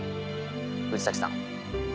藤崎さん。